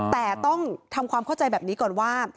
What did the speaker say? แต่ต้องทำความเข้าใจแบบนี้ก่อนว่า